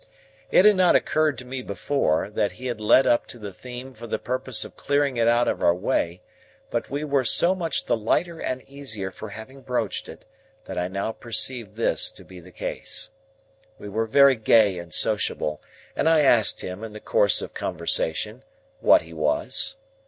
It had not occurred to me before, that he had led up to the theme for the purpose of clearing it out of our way; but we were so much the lighter and easier for having broached it, that I now perceived this to be the case. We were very gay and sociable, and I asked him, in the course of conversation, what he was?